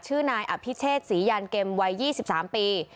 ชื่อนายอภิเชษศรียานเกมวัย๒๓ปี